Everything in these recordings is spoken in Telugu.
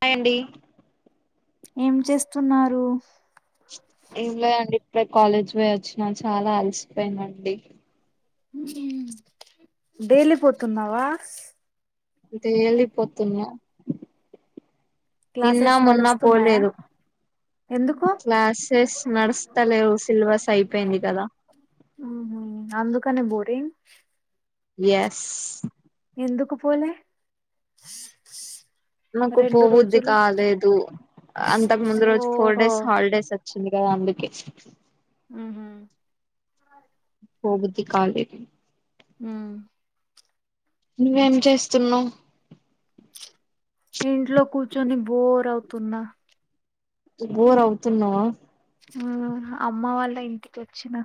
హాయ్ అండి. ఏం చేస్తున్నారు? ఏం లేదండి ఇప్పుడే కాలేజ్ పోయి వచ్చిన చాలా అల్సిపోయనండి. డైలీ పోతున్నావా? డైలీ పోతున్న. నిన్నా, క్లాసెస్ మొన్న నడుస్తున్నాయా పోలేదు. ఎందుకు క్లాసెస్ నడుస్త లేవు సిలబస్ అయిపోయింది కదా అందుకనే బోరింగ్ ఎస్. ఎందుకు పోలే? నాకు పో రెండు బుద్ది రోజులు కాలేదు అంతకు ముందు రోజు ఫోర్ ఓహో డేస్ హాల్డేస్ వచ్చింది కదా అందుకే ఆహ పోబుద్ది కాలేదు. ఆ నువ్వేం చేస్తున్నవ్ ఇంట్లో కూర్చొని బోర్ అవుతున్న. బోర్ అవుతున్నవ. ఆ అమ్మ వాళ్ళ ఇంటికొచ్చిన.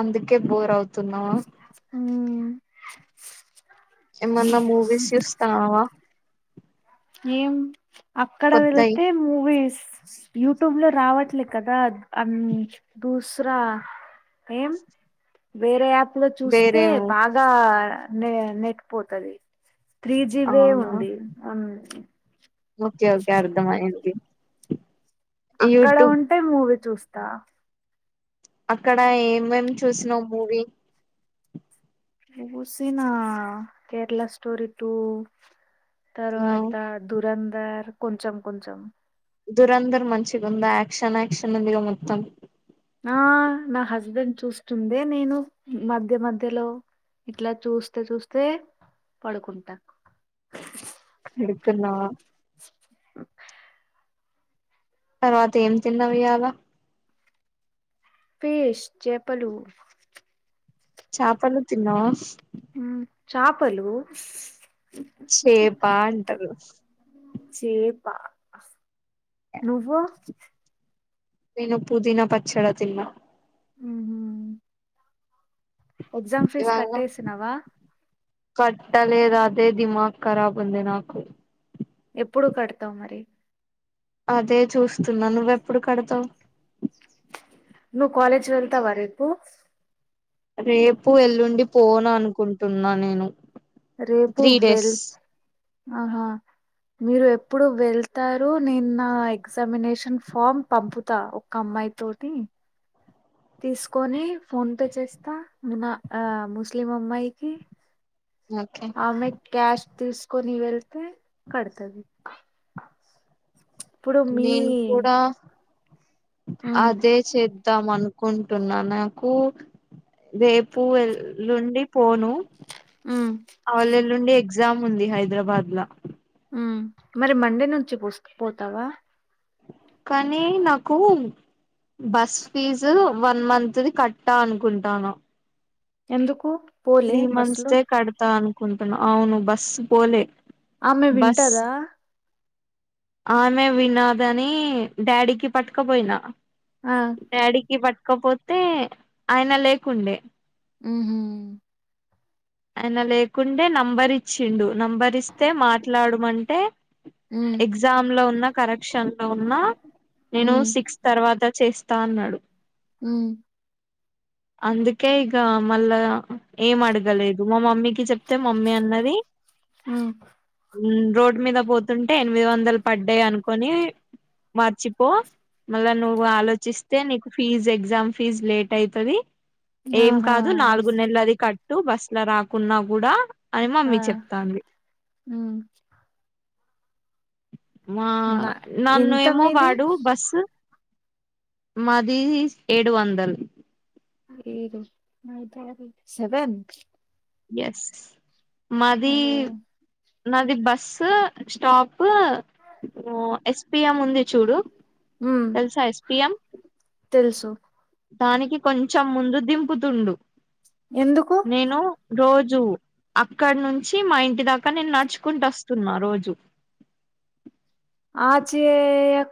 అందుకే బోర్ అవుత్ మ్ ఏమన్నా మూవీస్ చూస్తన్నవా? ఏం అక్కడ కొత్తయి వెల్తే మూవీస్ యూట్యూబ్లో రావట్లే కదా అం దుస్ర ఏం వేరే యాప్ లో చూస్తే వేరేవి బాగా నే నెట్ పోతది. త్రీ జిబే అవునా ఉంది. అం ఓకే ఓకే అర్థమయ్యింది. అక్కడ ఉంటే మూవీ చూస్తా. అక్కడ ఏమేమ్ చూసినవ్ మూవీ చూసినా కేరళ స్టోరి టూ ఆ తర్వాత దురందర్ కొంచం కొంచం దురందర్ మంచిగా ఉందా యాక్షన్ యాక్షన్ ఉందిగా మొత్తం ఆ నా హస్బెండ్ చూస్తుందే నేను మధ్య మధ్యలో ఇట్లా చూస్తే చూస్తే పడుకుంటా ఇరుక్కున్నావా? తర్వాత ఏం తిన్నవ్ ఇయాల. ఫిష్ చేపలు. చాపలు తిన్నావా ఉమ్ చాపలు చేపా అంటరు చేపా నువ్వు నేను పుదీన పచ్చడ తిన్నా హ్మ్ ఎగ్జామ్ ఫీజ్ కట్టేసినవ కట్టలేద్ అదే దిమాక్ కరాబ్ ఉంది నాకు ఎప్పుడు కడ్తావ్ మరి అదే చూస్తున్నా నువ్వెప్పుడు కడతావ్ నువ్ క్వాలేజ్ వెళ్తావా రేపు రేపు ఎల్లుండి పోన్ అనుకుంటున్నా నేను రేపు త్రీ డేస్ వెల్త్ ఆహా మీరు ఎప్పుడు వెళ్తారు నేను నా ఎగ్జామినేషన్ ఫామ్ పంపుతా ఒకమ్ యితోటి తిసుకొని ఫోన్ పే చెస్త న ఆ ముస్లిం అమ్మాయికి ఓకే ఆమె క్యాష్ తిసుకొని వెళ్తే కడ్తది ఉచ్ ఇప్పుడు మీ ఉమ్ అదె చేద్దాం అనుకుంటున్నా నాకు రేపు ఎల్లుండి పోను ఉమ్ అవలేలుండి ఎగ్జామ్ ఉంది హైదరాబాద్ లా మరి మండే నుంచి పుస్ పోతావ కానీ నాకు బస్ ఫీజు వన్ మంత్ది కట్ట అనుకుంటాన ఎందుకు పోలే త్రీ మంత్స్ బస్సులో స్టే కడ్తా అనుకుంటున్నా అవును బస్సు పోలె ఆమె వింటదా ఆమె వినాదని డాడీకి పట్టుకపోయినా ఆ డాడీకి పట్కాపోతే ఆయన లేకుండే ఉహ్మ్ అయన లేకుంటే నంబర్ ఇచ్చిండు నంబర్ ఇస్తే మాట్లాడుమంటే హ్మ్ ఎగ్జామ్ లోఉన్న కరెక్షన్ లో ఉన్నా నేను హ్మ్ సిక్స్ తర్వాత చేస్తా అన్నాడు హ్మ్ అందుకె ఇగ మలా ఏం అడగలేదు మా మమ్మీ చెప్తే మమ్మీ అన్నది హ్మ్ హ్మ్ రోడ్ మీద పోతుంటే ఎనిమిది వందల్ పడ్డాయిఅనుకోని మర్చిపో మల నువ్వు ఆలోచిస్తే నీకు ఫీజ్ ఎగ్జామ్ ఫీజ్ లేట్ అయితది ఏం ఆహా కాదు నాలుగు నెలల్ అది కట్టు బస్ లో రాకున్న కూడా అని ఆ మమ్మీ చెప్తాంది హ్మ్ మా నా నన్ను ఎంత ఎమో మీది వాడు బస్ మాదీ ఏడు వందల్ ఏడు సెవెన్ ఎస్ ఓ మదీ నాది బస్సు స్టాపూ హ్మ్ ఎ స్పి ఎం ఉంది చూడు తెల్సా ఎస్ పి ఎం తెల్సు దానికి కొంచెం ముందు దింపుతుండు ఎందుకు నేను రో జు అక్కడ నుంచి మా ఇంటి దాకా నేను నడుచుకుంటూ వస్తున్నా రోజు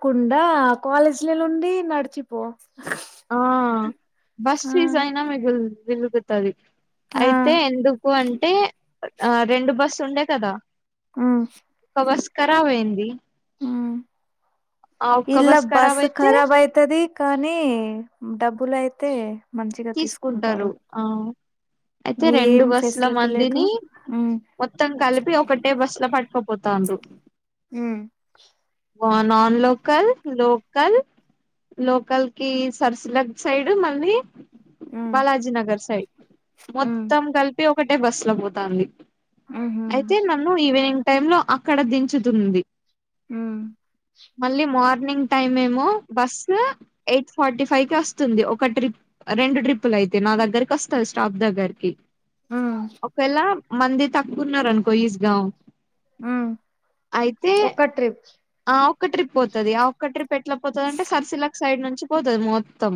కుండా కాలేజ్ల ఉండి నడిచిపో ఆ బస్ ఆ ఫీజ్ అయినా మిగుల్ మిలుగుతది ఆ అయితే ఎందుకు అంటే రెండు బస్సు ఉండే కదా ఉమ్ ఒక బస్ కరాబ్ అయింది హ ఆ ఒక్క ఇలా బస్ అయితే ఖరాబ్ అయితది కానీ డబ్బులు అయితే తీసుకుంటారు ఆ అయితే రెండు ఏం బస్ల ఫెసిలిటీ లేదు మందిని హ్మ్ మొత్తం కలిపి ఒకటే బస్ల పట్ కపోతండు ఉమ్ అ నన్ లోకల్ లోకల్ లోకల్ కి సర్సులగ్ సైడు మళ్ళీ హ్మ్ బాలాజీ నగర్ సైడ్ హ్మ్ మొత్తం కలిపి ఒకటే బస్సులో పోతంది ఉహూ అయితే నన్ను ఈవినింగ్ టైం లో అక్కడ దించుతుంది ఉమ్ మళ్ళీ మార్నింగ్ టైమ్ ఏమో బస్ ఎయిట్ ఫార్టీ ఫైవ్ కి వస్తుంది ఒక ట్రిప్ రెండు ట్రిప్పులు అయితే నా దగ్గరకి వస్తాది స్టాప్ దగ్గరికి హ్మ్ ఒకవేళ మంది తక్కున్నారు అనుకో ఈస్గా హ్మ్ అయితే ఒక్క ట్రిప్ ఆ ఒక్క ట్రిప్ పోతది ఆ ఒక్క ట్రిప్ పెట్ల పోతది అంటే సర్సిలాక్ సైడ్ నుంచి పోతది మొత్తం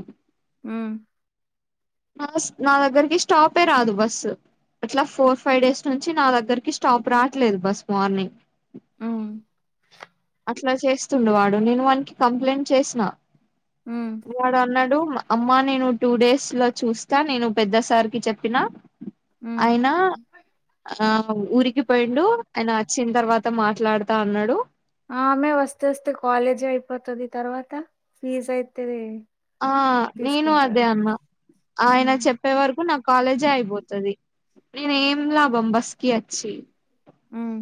ఉమ్ ఫస్ట్ నా దగ్గరికి స్టాపే రాదు బస్సు అట్లా ఫోర్ ఫైవ్ డేస్ నుంచి నా దగ్గరకి స్టాప్ రావట్లేదు బస్ మార్నింగ్ హ్మ్ అట్లా చేస్తుండు వాడు నేను వానికి కంప్లైంట్ చేసిన హ్మ్ వాడు అన్నాడు అమ్మా నేను టూ డేస్ లో చూస్తా నేను పెద్దసారికి చెప్పినా ఉమ్ ఆ ఊరికి పోయిండు ఆయన వచ్చిన తర్వాత మాట్లాడుతా అన్నాడు ఆమె వస్తే వస్తే కాలేజీ అయిపోతాది తర్వాత ఫీజ అయితే ఆ నేను అదే తీసుకుంటారు అన్న ఆయన హ్మ్ చెప్పే వరకు నాకు కాలేజే అయిపోతది నేను ఏం లాభం బస్కి వచ్చి ఉమ్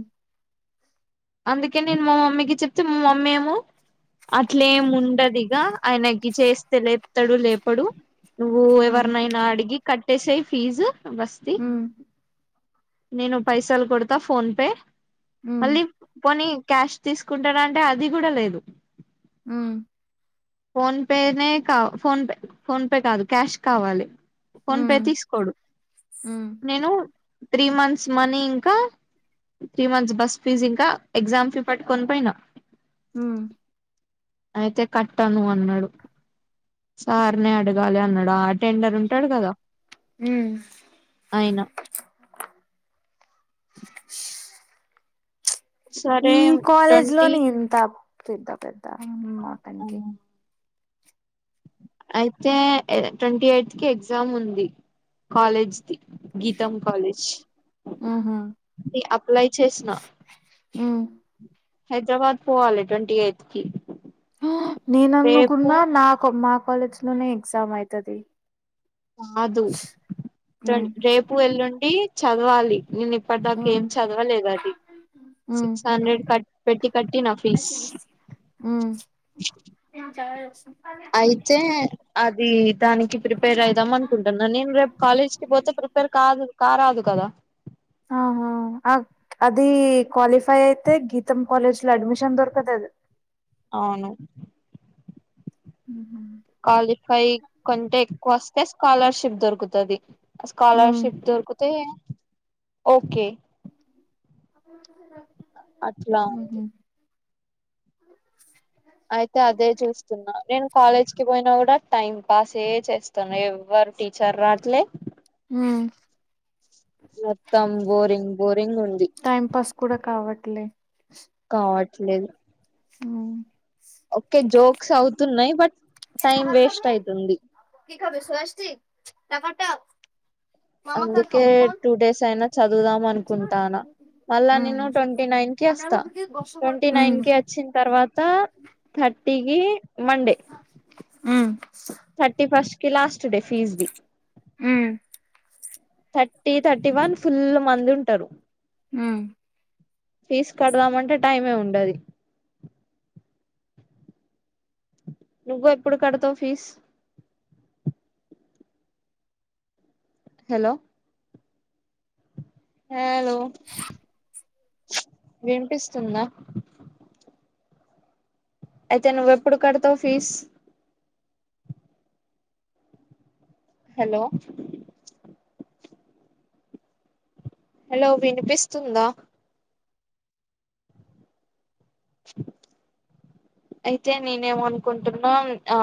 అందుకే నేను మా మమ్మీకి చెప్తే మా మమ్మీ ఏమో అట్లేం ఉండదిగా ఆయనకి చేస్తే లేపుతాడు లేపడు నువ్వు హ్మ్ ఎవర్నైనా అడిగి కట్టేసయి ఫీజు బస్ ది హ్మ్ నేను పైసాలు కొడత ఫోన్ పే హ్మ్ మళ్ళీ పొని క్యాష్ తీసుకుంటాడు అంటే అది కూడా లేదు ఉ ఫోన్పేనే కా ఫోన్పే ఫోన్పే కాదు క్యాష్ కావాలి ఫోన్ పే హ్మ్ తీసుకోడు హ్మ్ నేను త్రీ మంత్స్ మనీ ఇంకా త్రీ మంత్స్ బస్సు ఫీజ్ ఇంకా ఎగ్జామ్ ఫీ పట్టుకొని పోయినా హ్మ్ అయితే కట్టను అన్నాడు సార్నే అడగాలి అన్నాడు ఆ అటెండర్ ఉంటాడు కదా ఉమ్ ఆయన సరే ఈ కాలేజ్ ట్వంటీ లోని ఎంత పెద్ద పెద్ద అతనికి అయితే ట్వంటీ ఎయిత్ కి ఎగ్జామ్ ఉంది కాలేజ్ది గీతం కాలేజ్ ఉహూ ది అప్లై చేసిన హ్మ్ హైదరాబాద్ పోవాలి ట్వంటీఎయిట్కి ఆ నేనుఅనుకున్న నాక్ మా కాలేజ్ లోనే ఎగ్జామ్ అయితది కాదు హ్మ్ రేపు వెల్లుండి చదవాలి నేను ఇప్పటి దాక హ్మ్ ఏం చదవలేదు అది ఉమ్ సిక్స్ హండ్రెడ్ కట్ పెట్టి కట్టిన ఫీజ్ ఉమ్ అయితే అది దానికి ప్రిపేర్ అయిదాం అనుకుంటున్నా నేను రేపు కాలేజ్ కి పోతే పర్ కాదు కారాదు కదా ఆహా ఆ అది క్వాలిఫై అయితే గీతం కాలేజ్ లో అడ్మిషన్ దొరుకుతది అవును ఉమ్ కొస్తే స్కాలర్షిప్ దొరుకుతుది ఉమ్ స్కాలర్షిప్ దొరుకుతే ఓకే [unintelligible] అట్లా అంతే అయితే అదే చూస్తున్నా నేను కాలేజ్ కి పోయినా కూడా టైం పాస్ ఎ చేస్తున్నా ఎవ్వరు టీచర్ రావట్లే ఉమ్ మొత్తం బోరింగ్ బోరింగ్ ఉంది టైం పాస్ కూడా కావట్లే కావట్లేదు ఉమ్ ఓకే జోక్స్ అవుతున్నాయి బట్ టైమ్ వేస్ట్ ఐతుంది టకట అందుకే టూ డేస్ అయినా చదువుదాం అనుకుంటాన మళ్ళా ఉమ్ నేను ట్వంటీ నైన్ కి అస్తా ఉమ్ ట్వీంటీనైన్ కి ఒచ్చిన తరువాత థర్టీ కి మండే థర్టీ ఫస్ట్ కి లాస్ట్ డే ఫీస్ ది ఉమ్ థర్టీ థర్టీ వన్ ఫుల్ మంది ఉంటారు ఉమ్ ఫీస్ కడదామంటే టైమే ఉండది నువ్వు ఎప్పుడు కడతావు ఫీస్ హలో హలో వినిపిస్తుందా అయితే నువ్ ఎప్పుడు కడుతావ్ ఫీస్ హలో హలో వినిపిస్తుందా అయితే నేనేమనుకుంటున్న ఆ